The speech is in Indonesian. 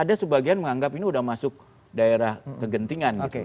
ada sebagian menganggap ini sudah masuk daerah kegentingan gitu